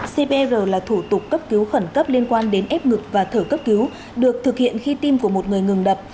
cpr là thủ tục cấp cứu khẩn cấp liên quan đến ép ngực và thở cấp cứu được thực hiện khi tim của một người ngừng đập